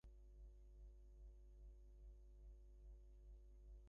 আমি পরীক্ষা করে দেখেছি, তাঁর নম্বর থেকে আমার কাছে কোনো ফোন আসেনি।